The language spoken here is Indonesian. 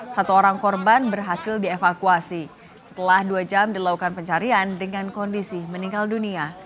satu orang korban berhasil dievakuasi setelah dua jam dilakukan pencarian dengan kondisi meninggal dunia